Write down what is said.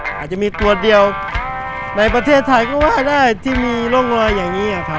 อาจจะมีตัวเดียวในประเทศไทยก็ว่าได้ที่มีร่องรอยอย่างนี้ครับ